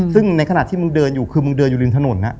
ซึ่งในขณะที่มึงเดินอยู่คือมึงเดินอยู่ริมถนน